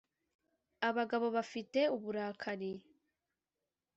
abagabo bafite uburakari